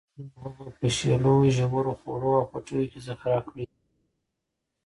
روانې اوبه په په شیلو، ژورو، خوړو او پټیو کې ذخیره کړی.